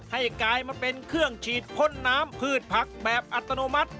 กลายมาเป็นเครื่องฉีดพ่นน้ำพืชผักแบบอัตโนมัติ